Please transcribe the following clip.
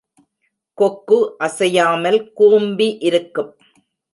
கொக்கு அசையாமல் கூம்பி இருக்கும்.